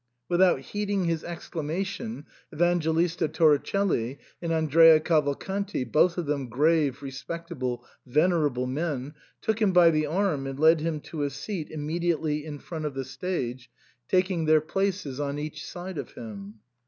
Without heeding his exclamation, Evangelista Tori celli and Andrea Cavalcanti — both of them grave, respectable, venerable men — took him by the arm and led him to a seat immediately in front of the stage, taking their places on each side of him.